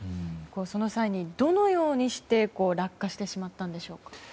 その際にどのようにして落下してしまったんでしょうか。